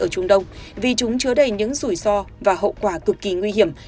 ở trung đông vì chúng chứa đầy những rủi ro và hậu quả cực kỳ nguy hiểm